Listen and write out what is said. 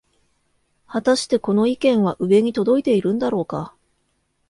はたしてこの意見は上に届いているんだろうか